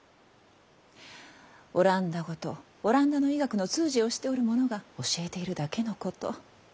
オランダ語とオランダの医学の通詞をしておるものが教えているだけのこと。